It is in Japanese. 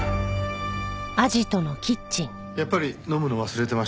やっぱり飲むの忘れてました。